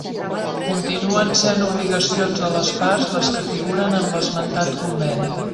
Continuen sent obligacions de les parts les que figuren en l'esmentat conveni.